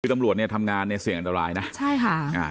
คือตำรวจเนี่ยทำงานเนี่ยเสี่ยงอันตรายนะใช่ค่ะอ่า